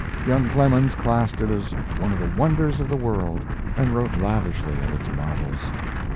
Young Clemens classed it as one of the wonders of the world and wrote lavishly of its marvels.